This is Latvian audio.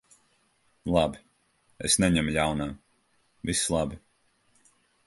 Labi. Es neņemu ļaunā. Viss labi.